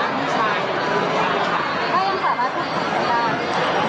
ก็ยังสามารถ